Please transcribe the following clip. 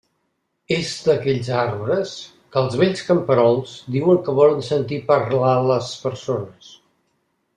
És d'aquells arbres que els vells camperols diuen que volen sentir parlar les persones.